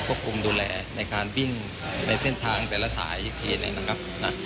ควบคุมดูแลในการวิ่งในเส้นทางแต่ละสายแบบนี้นะครับ